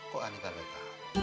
kok aneh aneh tau